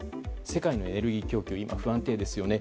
世界のエネルギー供給は、今不安定ですよね。